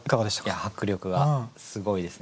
いや迫力がすごいですね。